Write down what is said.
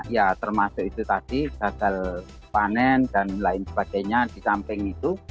ya termasuk itu tadi gagal panen dan lain sebagainya di samping itu